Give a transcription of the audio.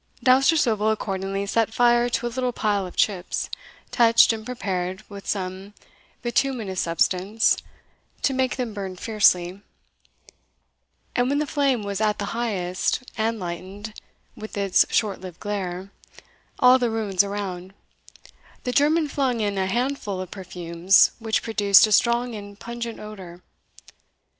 Dousterswivel accordingly set fire to a little pile of chips, touched and prepared with some bituminous substance to make them burn fiercely; and when the flame was at the highest, and lightened, with its shortlived glare, all the ruins around, the German flung in a handful of perfumes which produced a strong and pungent odour.